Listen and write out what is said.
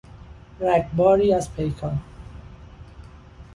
رگباری از پیکان